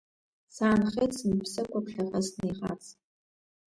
Саанхеит сымԥсыкәа, ԥхьаҟа снеихарц…